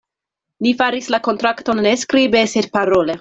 Ni faris la kontrakton ne skribe, sed parole.